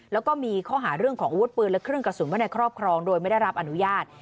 แล้วก็มีข้อหาเรื่องของอาวุธปืนและเครื่องกระสุนไว้ในครอบครองโดยไม่ได้รับอนุญาต